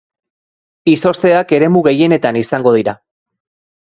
Izozteak eremu gehienetan izango dira.